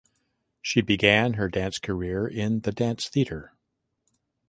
She began her dance career in the dance theatre.